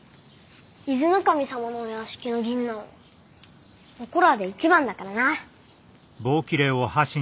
伊豆守様のお屋敷の銀杏はここらで一番だからな。